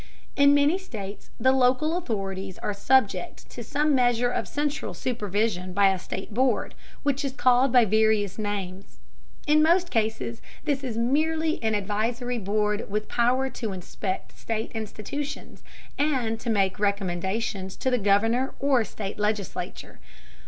In many states the local authorities are subject to some measure of central supervision by a state board, which is called by various names. In most cases this is merely an advisory board with power to inspect state institutions, and to make recommendations to the governor or state legislature.